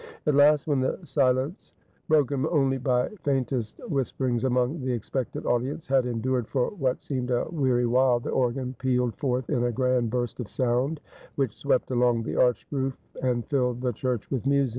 At last, when the silence, broken only by faintest whisper ings among the expectant audience, had endured for what seemed a weary while, the organ pealed forth in a grand burst of sound, which swept along the arched roof, and filled the church with music.